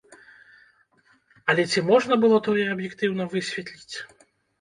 Але ці можна было тое аб'ектыўна высветліць?